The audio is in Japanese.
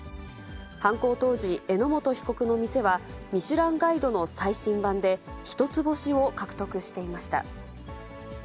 犯行当時、榎本被告の店は、ミシュランガイドの最新版で、１つ星を獲得していました。